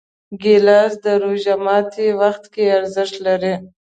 ګیلاس د روژه ماتي وخت کې ارزښت لري.